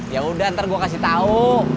yaudah ntar gue kasih tau